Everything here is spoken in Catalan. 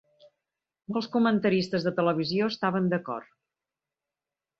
Molts comentaristes de televisió estaven d'acord.